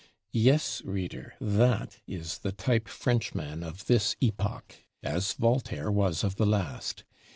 Yes, Reader, that is the Type Frenchman of this epoch, as Voltaire was of the last.